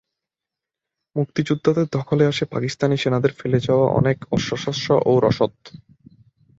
মুক্তিযোদ্ধাদের দখলে আসে পাকিস্তানি সেনাদের ফেলে যাওয়া অনেক অস্ত্রশস্ত্র ও রসদ।